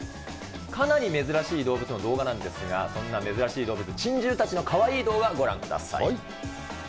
かなり珍しい動物の動画なんですが、そんな珍しい動物、珍獣たちのかわいい動画ご覧ください。